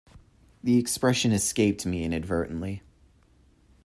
The expression escaped me inadvertently.